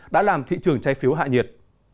đã làm thị trường trái phiếu hạ nhiệt